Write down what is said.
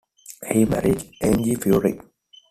He married Angie Furey.